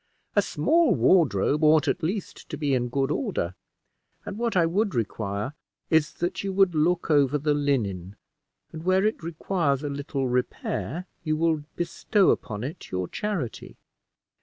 A small wardrobe ought at least to be in good order; and what I would require is, that you would look over the linen, and where it requires a little repair, you will bestow upon it your charity."